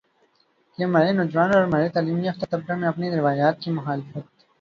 کہ ہمارے نوجوانوں اور ہمارے تعلیم یافتہ طبقہ میں اپنی روایات کی مخالفت